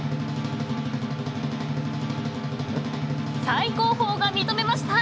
最高峰が認めました